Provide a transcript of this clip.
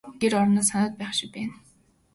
Гэр орноо санаад байх шиг байна.